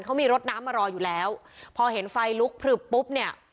เขามีรถน้ำมารออยู่แล้วพอเห็นไฟลุกพลึบปุ๊บเนี่ย